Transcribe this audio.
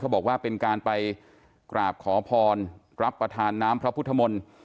บอกว่าเป็นการไปกราบขอพรรับประทานน้ำพระพุทธมนตร์